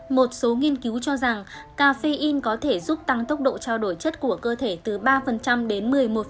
một số nghiên cứu cho rằng cà phê in có thể giúp tăng tốc độ trao đổi chất của cơ thể từ ba đến một mươi một